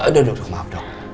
udah dok maaf dok